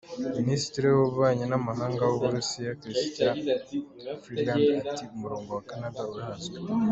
Minisitiri w’ ububanyi n’ amahanga w’ Uburusiya Chrystia Freeland ati “"Umurongo wa Canada urazwi.